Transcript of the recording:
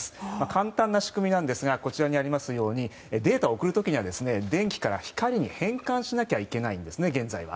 簡単な仕組みなんですがこちらにあるようにデータを送るときは電気から光に変換しないといけないんです現在は。